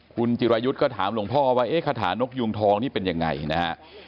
คุณจิรายุทธ์ก็ถามหลวงพ่อว่าเอ๊ะคาถานกยูงทองนี่เป็นยังไงนะฮะ